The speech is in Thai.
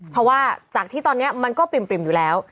เพราะว่าจากที่ตอนนี้มันก็ปริ่มอยู่แล้ว